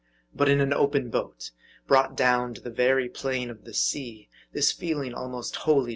But in an open boat, brought down to the very plane of the sea, this feeling almost wholly deserts you.